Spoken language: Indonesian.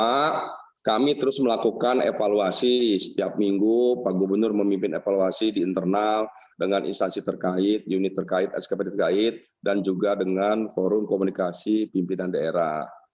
pertama kami terus melakukan evaluasi setiap minggu pak gubernur memimpin evaluasi di internal dengan instansi terkait unit terkait skpd terkait dan juga dengan forum komunikasi pimpinan daerah